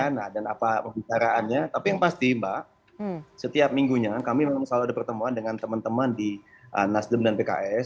nah dan apa pembicaraannya tapi yang pasti mbak setiap minggunya kami memang selalu ada pertemuan dengan teman teman di nasdem dan pks